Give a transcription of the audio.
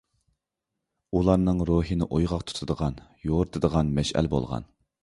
ئۇلارنىڭ روھىنى ئويغاق تۇتىدىغان، يورۇتىدىغان مەشئەل بولغان.